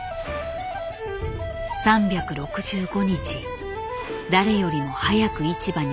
３６５日誰よりも早く市場に出向き